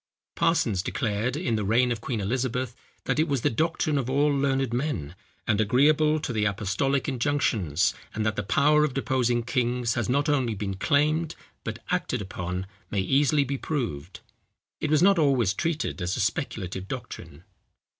Parsons declared, in the reign of Queen Elizabeth, that it was the doctrine of all learned men, and agreeable to the apostolic injunctions; and that the power of deposing kings has not only been claimed, but acted upon, may easily be proved. It was not always treated as a speculative doctrine.